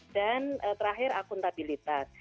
dan terakhir akuntabilitas